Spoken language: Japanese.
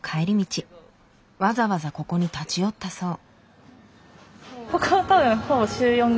わざわざここに立ち寄ったそう。